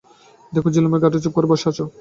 দেখলুম ঝিলের ধারে ঘাটে চুপ করে সে বসে আছে।